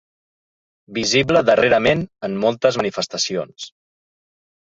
Visible darrerament en moltes manifestacions.